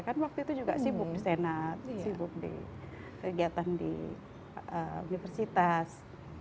kan waktu itu juga sibuk di senat sibuk di kegiatan di universitas